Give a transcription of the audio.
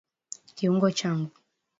Kiungo changu.